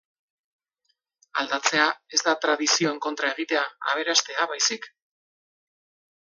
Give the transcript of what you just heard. Aldatzea ez da tradizioen kontra egitea, aberastea baizik.